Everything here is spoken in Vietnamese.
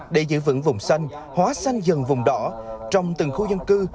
để giữ vững vùng xanh hóa xanh dần vùng đỏ trong từng khu dân cư